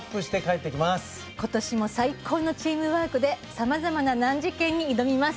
今年も最高のチームワークで様々な難事件に挑みます。